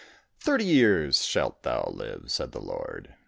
"Thirty years shalt thou live," said the Lord.